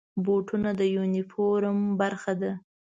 بوټونه د یونیفورم برخه ده.